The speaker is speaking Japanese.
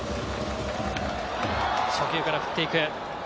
初球から振っていく。